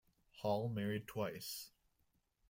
Hall married twice.